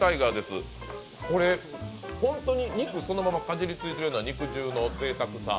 これ本当に肉そのままかじりついているような肉汁のぜいたくさ。